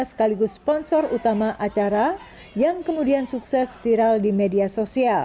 sekaligus sponsor utama acara yang kemudian sukses viral di media sosial